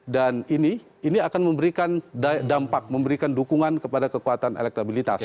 dan ini akan memberikan dampak memberikan dukungan kepada kekuatan elektabilitas